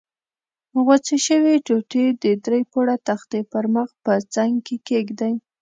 غوڅې شوې ټوټې د درې پوړه تختې پر مخ په څنګ کې کېږدئ.